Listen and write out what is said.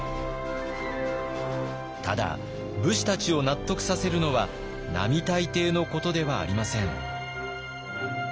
ただ武士たちを納得させるのは並大抵のことではありません。